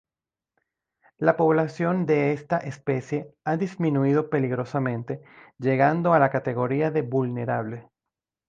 La población de esta especie ha disminuido peligrosamente llegando a la categoría de vulnerable.